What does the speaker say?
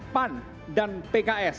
pan dan pprd